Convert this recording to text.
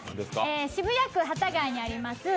渋谷区幡ヶ谷にあります